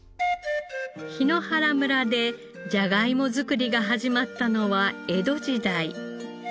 檜原村でじゃがいも作りが始まったのは江戸時代。